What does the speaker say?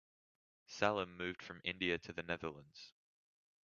Salim moved from India to the Netherlands.